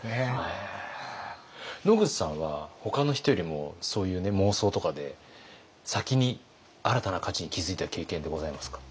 野口さんはほかの人よりもそういう妄想とかで先に新たな価値に気づいた経験ってございますか？